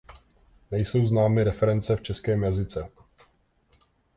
Nejsou známy reference v českém jazyce.